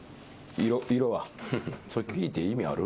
それ聞いて意味ある？